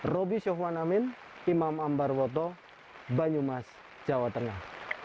robi syofwan amin imam ambarwoto banyumas jawa tengah